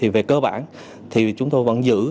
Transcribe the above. về cơ bản chúng tôi vẫn giữ